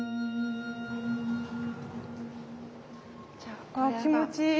あっ気持ちいい！